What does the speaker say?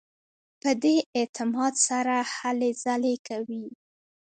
په دې اعتماد سره هلې ځلې کوي.